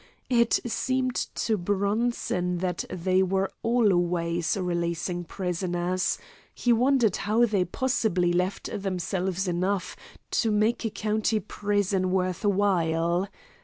It seemed to Bronson that they were always releasing prisoners; he wondered how they possibly left themselves enough to make a county prison worth while.